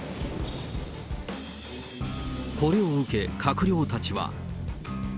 これを受け、閣僚たちは。